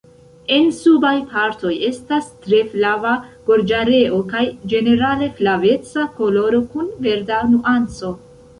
En subaj partoj estas tre flava gorĝareo kaj ĝenerale flaveca koloro kun verda nuanco.